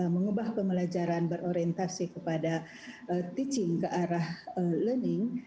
mengubah pembelajaran berorientasi kepada teaching ke arah learning